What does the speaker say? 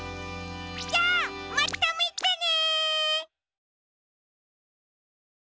じゃあまたみてね！